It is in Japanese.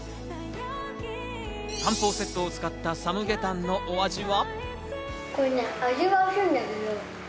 漢方セットを使ったサムゲタンのお味は？